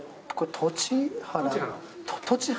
栃原。